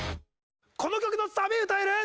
この曲のサビ歌える？